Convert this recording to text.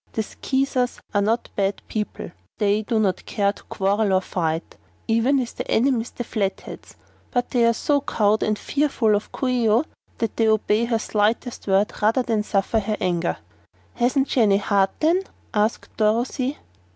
The Skeezers are not bad people; they do not care to quarrel and fight, even with their enemies the Flatheads; but they are so cowed and fearful of Coo ee oh that they obey her slightest word, rather than suffer her anger." "Hasn't she any heart, then?" asked Dorothy.